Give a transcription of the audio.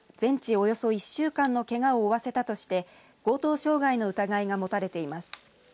およそ１週間のけがを負わせたとして強盗傷害の疑いが持たれています。